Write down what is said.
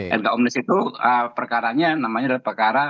erga omnis itu namanya adalah perkara pengujian undang undang